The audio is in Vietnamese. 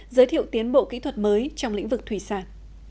giới thiệu tiến bộ kỹ thuật mới trong lĩnh vực thủy sản